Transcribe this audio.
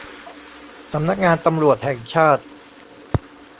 สำนักงานตำรวจแห่งชาติ